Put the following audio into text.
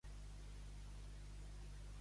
L'amor perd les persones.